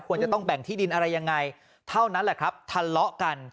ควรจะต้องแบ่งที่ดินอะไรยังไงเท่านั้นแหละครับทะเลาะกัน